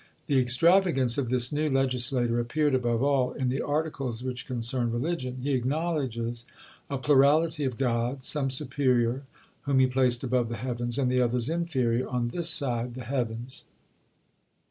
The extravagance of this new legislator appeared, above all, in the articles which concerned religion. He acknowledges a plurality of gods: some superior, whom he placed above the heavens; and the others inferior, on this side the heavens.